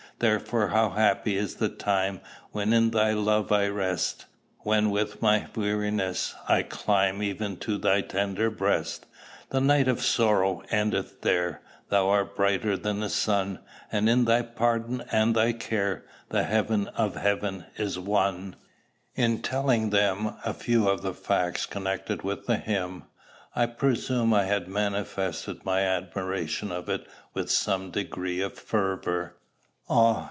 Therefore how happy is the time When in thy love I rest! When from my weariness I climb Even to thy tender breast! The night of sorrow endeth there: Thou are brighter than the sun; And in thy pardon and thy care The heaven of heaven is won. In telling them a few of the facts connected with the hymn, I presume I had manifested my admiration of it with some degree of fervor. "Ah!"